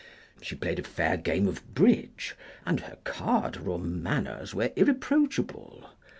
She played a fair game of bridge, and her card room manners were irreproachable.